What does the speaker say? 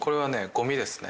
ゴミですね。